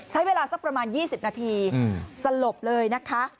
ใช้เวลาสักประมาณ๒๐นาทีสลบเลยนะคะ